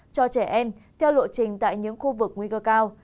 cho trẻ em theo lộ trình tại những khu vực nguy cơ cao